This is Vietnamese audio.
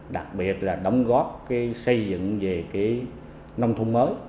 đặc biệt là đóng góp xây dựng về nông thôn mới